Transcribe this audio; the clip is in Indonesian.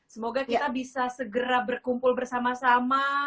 semoga kita bisa segera berkumpul bersama sama